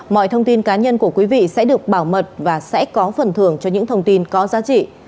mọi thông tin cá nhân của quý vị sẽ được bảo mật và sẽ có phần thưởng cho những thông tin có giá trị